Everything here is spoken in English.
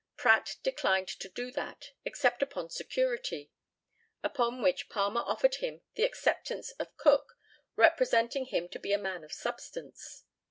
Pratt declined to do that, except upon security; upon which Palmer offered him the acceptance of Cook, representing him to be a man of substance.